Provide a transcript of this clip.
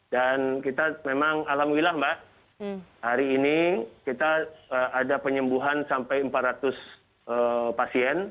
kita memang alhamdulillah mbak hari ini kita ada penyembuhan sampai empat ratus pasien